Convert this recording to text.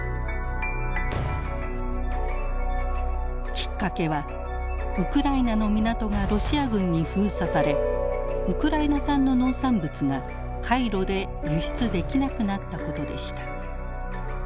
きっかけはウクライナの港がロシア軍に封鎖されウクライナ産の農産物が海路で輸出できなくなったことでした。